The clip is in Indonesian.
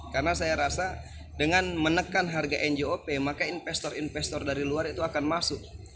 karena saya rasa dengan menekan harga ngop maka investor investor dari luar itu akan masuk